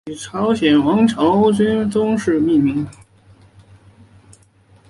以朝鲜王朝君王世宗大王命名。